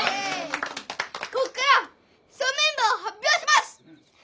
こっからそんメンバーを発表します。